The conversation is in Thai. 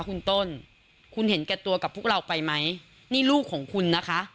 คุณต้นคุณเห็นแก่ตัวกับพวกเราไปไหมนี่ลูกของคุณนะคะ